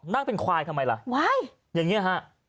นั่งเป็นควายทำไมล่ะว้ายอย่างนี้ฮะ